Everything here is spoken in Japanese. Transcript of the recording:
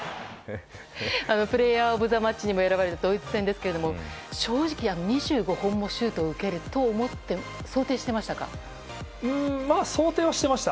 プレーヤー・オブ・ザ・マッチにも選ばれたドイツ戦ですが正直２５本もシュートを受けると想定はしていました。